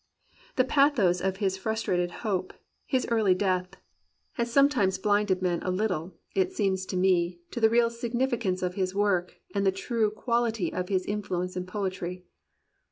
The pathos of his frustrated hope, his early death, 171 COMPANIONABLE BOOKS has sometimes blinded men a little, it seems to me, to the real significance of his work and the true quality of his influence in poetry.